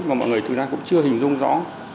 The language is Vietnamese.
mà mọi người thực ra cũng chưa hình dung rõ